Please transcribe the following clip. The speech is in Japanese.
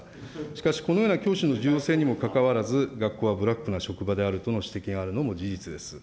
しかしこのような教師の重要性にもかかわらず、学校はブラックな職場であるとの指摘があるのも事実です。